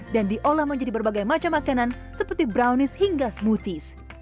dan diolah menjadi berbagai macam makanan seperti brownies hingga smoothies